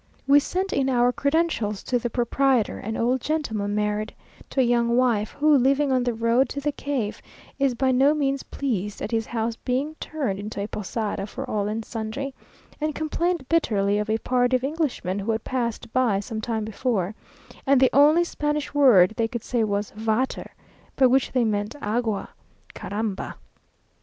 We sent in our credentials to the proprietor, an old gentleman married to a young wife, who, living on the road to the cave, is by no means pleased at his house being turned into a posada for all and sundry, and complained bitterly of a party of Englishmen who had passed by some time before, "and the only Spanish word they could say, was Vater, by which they meant Agua, Caramba!"